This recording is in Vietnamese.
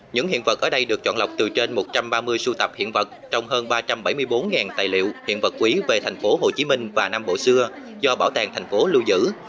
những hiện vật ở đây được chọn lọc từ trên một trăm ba mươi sưu tập hiện vật trong hơn ba trăm bảy mươi bốn tài liệu hiện vật quý về tp hcm và nam bộ xưa do bảo tàng thành phố lưu giữ